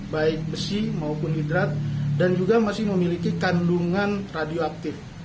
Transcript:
baik besi maupun hidrat dan juga masih memiliki kandungan radioaktif